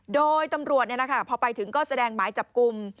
โดยตำรวจพอไปถึงก็แสดงหมายจับกลุ่ม